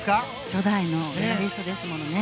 初代のメダリストですもんね。